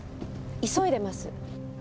急いでます！